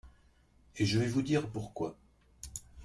et je vais vous dire pourquoi.